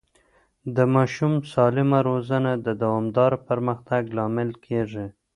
د ماشوم سالمه روزنه د دوامدار پرمختګ لامل کېږي.